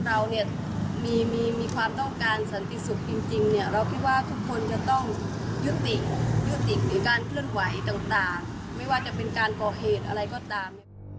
ยุติกในการเคลื่อนไหวต่างไม่ว่าจะเป็นการปอเหตุอะไรก็ตาม